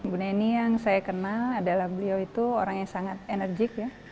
bu neni yang saya kenal adalah beliau itu orang yang sangat enerjik ya